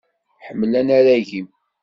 Ḥemmel anarag-im!